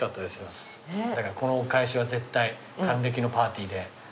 だからこのお返しは絶対還暦のパーティーで。